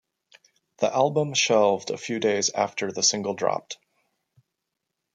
The album shelved a few days after the single dropped.